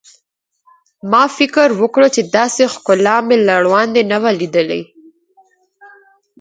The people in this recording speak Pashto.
ما فکر وکړ چې داسې ښکلا مې له وړاندې نه وه لیدلې.